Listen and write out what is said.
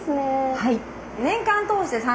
はい。